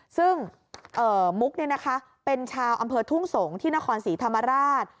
ซึ่งมุกเป็นชาวอำเภอทุ่งสงศ์ที่นครศรีธรรมราช